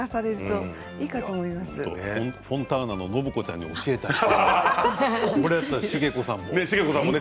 フォンターナの暢子ちゃんに教えたい。